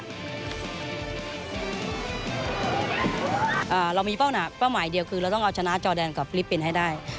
เรามีเป้าหนักเป้าหมายเดียวคือเราต้องเอาชนะจอแดนกับฟิลิปปินส์ให้ได้